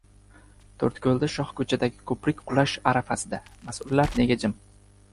To‘rtko‘lda shoh ko‘chadagi ko‘prik qulash arafasida: mas’ullar nega jim?